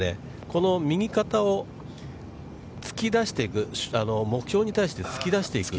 この右肩を突き出していく、目標に対して突き出していく。